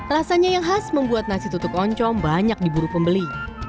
rasanya yang khas membuat nasi tutuk oncom banyak diburu pembeli